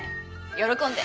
喜んで。